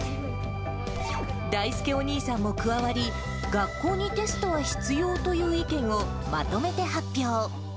だいすけお兄さんも加わり、学校にテストは必要という意見をまとめて発表。